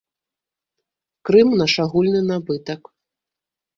Крым наш агульны набытак.